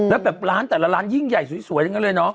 และแบบร้านแต่ละร้านยิ่งใหญ่สวยเลยเนอะ